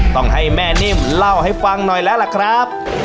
ต้องให้แม่นิ่มเล่าให้ฟังหน่อยแล้วล่ะครับ